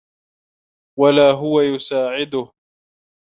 وَلَا هَوًى يُسَاعِدُهُ